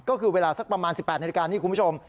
ก็คือเวลาสักประมาณ๑๘นาฬิกานี่คุณผู้ชม